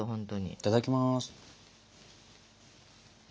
いただきます。